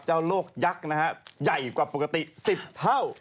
เจ้าโรคยักษ์ใหญ่กว่าปกติ๑๐เท่า